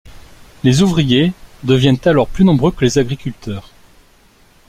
Les ouvriers deviennent alors plus nombreux que les agriculteurs.